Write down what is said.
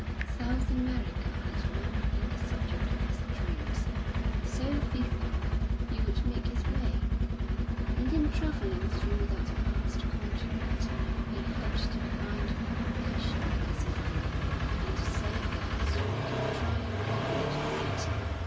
South America had long been the subject of his dreams, and so thither he would make his way; and in travelling through that vast continent he hoped to find occupation for his mind and so get through the trying period of waiting.